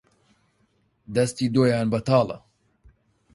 دەستی دۆیان بەتاڵە